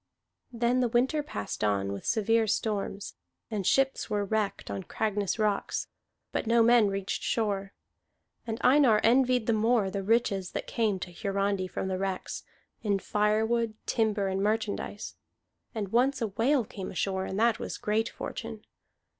Then the winter passed on with severe storms, and ships were wrecked on Cragness rocks, but no men reached shore. And Einar envied the more the riches that came to Hiarandi from the wrecks, in firewood, timber, and merchandise. And once a whale came ashore, and that was great fortune.